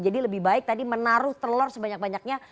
jadi lebih baik tadi menaruh telor sebanyak banyaknya